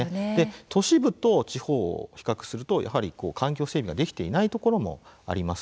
都市部と地方を比較するとやはり環境整備ができていないところもあります。